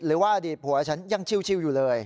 หรือว่าอดีตผัวฉันยังชิวอยู่เลย